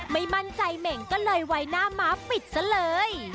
ไม่มั่นใจเหม่งก็เลยไว้หน้าม้าปิดซะเลย